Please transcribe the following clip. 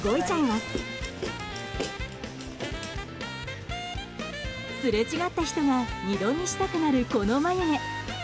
すれ違った人が二度見したくなるこの眉毛。